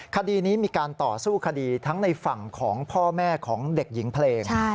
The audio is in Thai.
คดีนี้มีการต่อสู้คดีทั้งในฝั่งของพ่อแม่ของเด็กหญิงเพลง